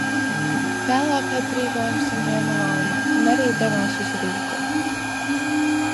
Vēlāk atbrīvojumu saņēma Lauma un arī devās uz Rīgu.